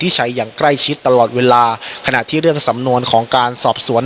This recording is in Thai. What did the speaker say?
ใช้อย่างใกล้ชิดตลอดเวลาขณะที่เรื่องสำนวนของการสอบสวน